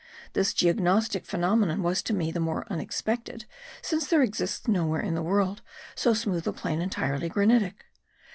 This geognostic phenomenon was to me the more unexpected since there exists nowhere in the world so smooth a plain entirely granitic.